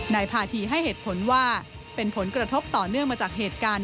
นายพาธีให้เหตุผลว่าเป็นผลกระทบต่อเนื่องมาจากเหตุการณ์